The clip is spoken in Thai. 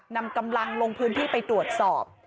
นำกำลังลงพื้นที่ไปตรวจสอบ